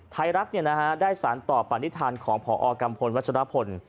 ไทยรัฐเนี่ยนะฮะได้สารตอบปฏิษฐานของพอกรรมพลวัชราพล